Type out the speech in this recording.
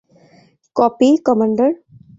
Copy, commander.